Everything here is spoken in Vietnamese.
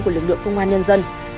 của lực lượng công an nhân dân